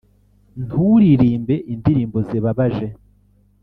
nturirimbe indirimbo zibabaje;